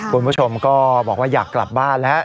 คุณผู้ชมก็บอกว่าอยากกลับบ้านแล้ว